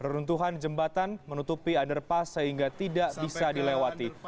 runtuhan jembatan menutupi underpass sehingga tidak bisa dilewati